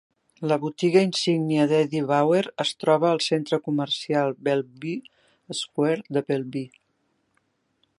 La botiga insígnia d'Eddie Bauer es troba al centre comercial Bellevue Square de Bellevue.